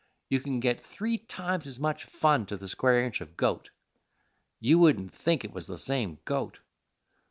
You can get three times as much fun to the square inch of goat. You wouldn't think it was the same goat.